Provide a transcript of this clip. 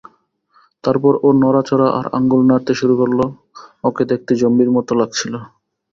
তারপর ও নড়াচড়া আর আঙ্গুল নাড়তে শুরু করল, ওকে দেখতে জম্বির মত লাগছিল।